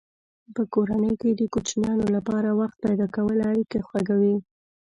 په کورنۍ کې د کوچنیانو لپاره وخت پیدا کول اړیکې خوږوي.